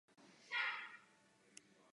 Otec zemřel a Petr jej přežil o pár dní.